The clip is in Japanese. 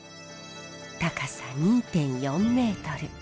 高さ２．４メートル。